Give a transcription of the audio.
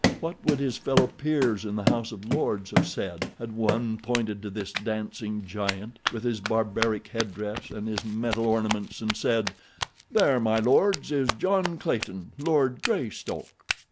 What would his fellow peers in the House of Lords have said had one pointed to this dancing giant, with his barbaric headdress and his metal ornaments, and said: "There, my lords, is John Clayton, Lord Greystoke."